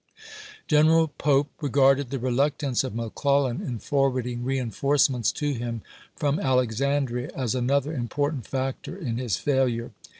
General Pope regarded the reluctance of Mc Clellan in forwarding reenforcements to him from Alexandria as another important factor in his fail ure.